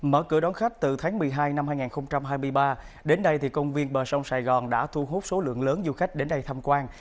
mở cửa đón khách từ tháng một mươi hai năm hai nghìn hai mươi ba đến đây thì công viên bờ sông sài gòn đã thu hút số lượng lớn du khách đến đây tham quan